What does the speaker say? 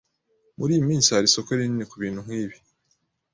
Muri iyi minsi hari isoko rinini kubintu nkibi?